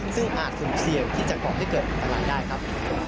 ซึ่งอาจสุ่มเสี่ยงที่จะก่อให้เกิดอันตรายได้ครับ